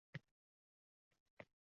«Ona yurt kuychisi»